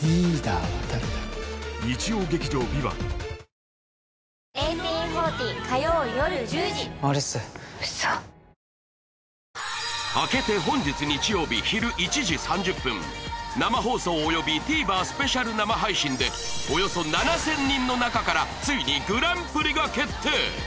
うまクリアアサヒイェーイ明けて本日日曜日ひる１時３０分生放送およびＴＶｅｒスペシャル生配信でおよそ７０００人の中からついにグランプリが決定！